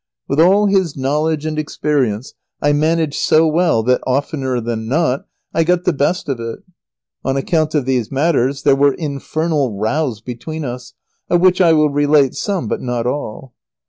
With all his knowledge and experience, I managed so well that, oftener than not, I got the best of it. On account of these matters, there were infernal rows between us, of which I will relate some but not all.